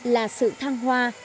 là sự thăng hoa